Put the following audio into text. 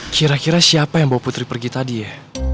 kira kira siapa yang bawa putri pergi tadi ya